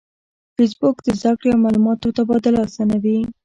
فېسبوک د زده کړې او معلوماتو تبادله آسانوي